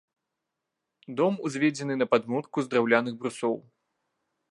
Дом узведзены на падмурку з драўляных брусоў.